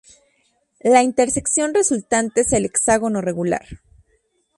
La intersección resultante es un hexágono regular.